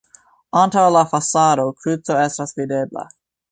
Antaŭ la fasado kruco estas videbla.